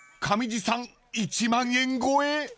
上地さん１万円超え？］